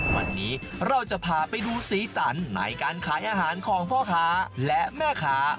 วันนี้เราจะพาไปดูสีสันในการขายอาหารของพ่อค้าและแม่ค้า